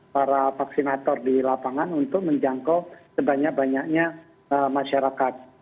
para vaksinator di lapangan untuk menjangkau sebanyak banyaknya masyarakat